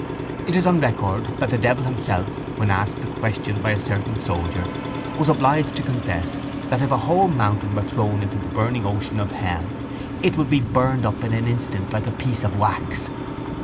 It is on record that the devil himself, when asked the question by a certain soldier, was obliged to confess that if a whole mountain were thrown into the burning ocean of hell it would be burned up in an instant like a piece of wax.